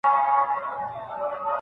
د څېړونکي زغم له عادي محصل لوړ وي.